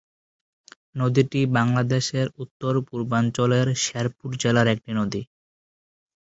নদীটি বাংলাদেশের উত্তর-পূর্বাঞ্চলের শেরপুর জেলার একটি নদী।